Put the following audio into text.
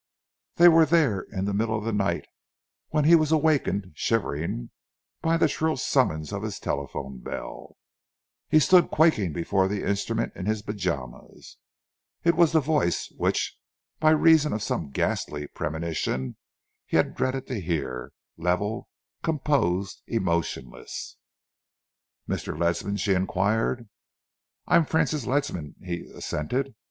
They were there in the middle of the night when he was awakened, shivering, by the shrill summons of his telephone bell. He stood quaking before the instrument in his pajamas. It was the voice which, by reason of some ghastly premonition, he had dreaded to hear level, composed, emotionless. "Mr. Ledsam?" she enquired. "I am Francis Ledsam," he assented.